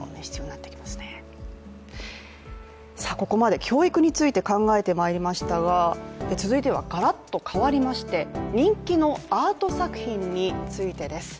ここまで教育について考えてまいりましたが、続いてはがらっと変わりまして、人気のアート作品についてです。